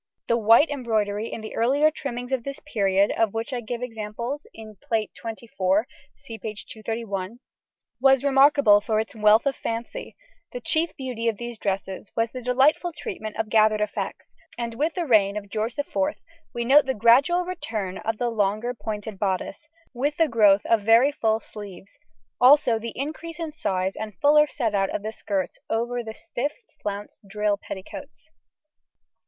The white embroidery in the earlier trimmings of this period, of which I give examples in Plate XXIV (see p. 231), was remarkable for its wealth of fancy; the chief beauty of these dresses was the delightful treatment of gathered effects, and with the reign of George IV we note the gradual return of the longer pointed bodice, with the growth of very full sleeves, also the increase in the size and fuller set out of the skirts over the stiff flounced drill petticoats.